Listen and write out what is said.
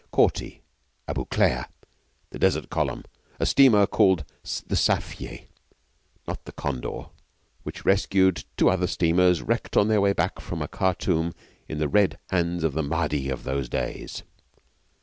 Korti Abu Klea the Desert Column a steamer called the Safieh not the Condor, which rescued two other steamers wrecked on their way back from a Khartoum in the red hands of the Mahdi of those days.